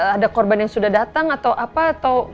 ada korban yang sudah datang atau apa atau